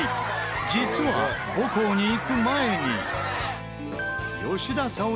実は母校に行く前に。